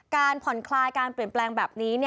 การผ่อนคลายการเปลี่ยนแปลงแบบนี้